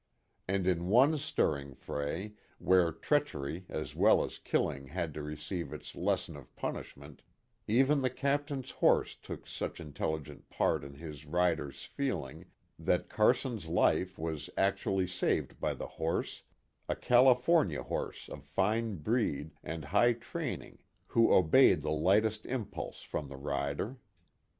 And in one stirring fray, where treachery as well as killing had to receive its lesson of punishment, even the captain's horse took such intelligent part in his rider's feeling that Carson's life was actually saved by the horse a California horse of fine breed and high training who obeyed the lightest 32 KIT CARSON. impulse from the rider.